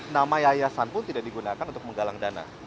nama yayasan pun tidak digunakan untuk menggalang dana